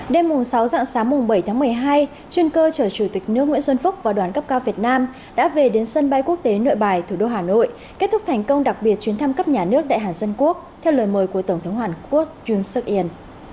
đêm sáu dạng sáng bảy tháng một mươi hai chuyên cơ chở chủ tịch nước nguyễn xuân phúc và đoàn cấp cao việt nam đã về đến sân bay quốc tế nội bài thủ đô hà nội kết thúc thành công đặc biệt chuyến thăm cấp nhà nước đại hàn dân quốc theo lời mời của tổng thống hàn quốc yun suk in